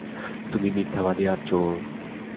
তুমি মিথ্যাবাদী আর চোর।